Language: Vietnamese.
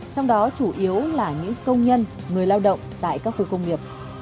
trong đó chủ yếu là những công nhân người lao động tại các khu công nghiệp